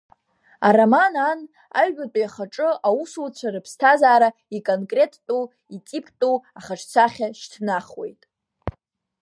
Ароман Ан аҩбатәи ахаҿы аусуцәа рыԥсҭазаара иконкреттәу, итиптәу ахаҿсахьа шьҭнахуеит.